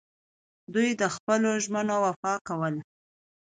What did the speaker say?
دوی د خپلو ژمنو وفا کوله